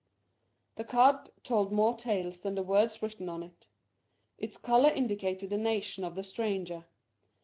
The card told more tales than the words written on it. Its colour indicated the nation of the stranger.